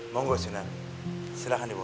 monggo sunan silahkan dibuka